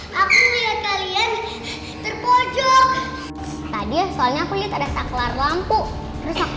hai terus aku lihat kalian terpojok tadi soalnya kulit ada saklar lampu terus aku